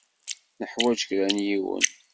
Neḥwaj kra n yiwen.